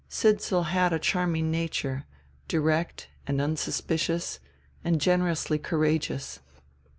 Sidsall had a charming nature, direct and unsuspicious and generously courageous.